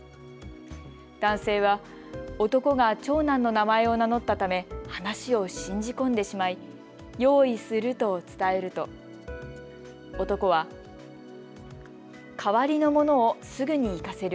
男性は男が長男の名前を名乗ったため話を信じ込んでしまい用意すると伝えると男は代わりのものをすぐに行かせる。